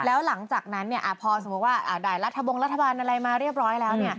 แล้วหลังจากนั้นพอสมมุติว่าได้รัฐบงรัฐบาลอะไรมาเรียบร้อยแล้ว